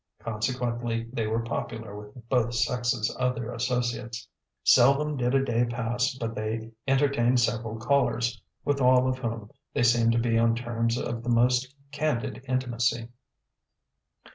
Consequently, they were popular with both sexes of their associates. Seldom did a day pass but they entertained several callers, with all of whom they seemed to be on terms of the most candid intimacy.